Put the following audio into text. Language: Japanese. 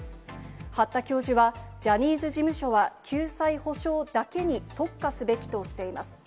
八田教授はジャニーズ事務所は救済・補償だけに特化すべきとしています。